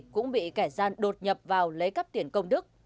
cũng bị kẻ gian đột nhập vào lấy cắp tiền công đức